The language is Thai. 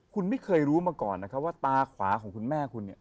คุณไม่เคยรู้มาก่อนว่าตาขวาของคุณแม่คุณ